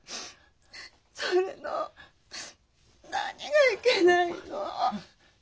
それの何がいけないの？